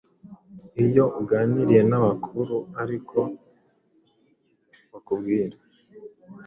Iyo uganiriye n’abakuru ariko bakubwira